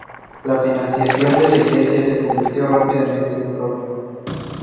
La financiación de la iglesia se convirtió rápidamente en un problema.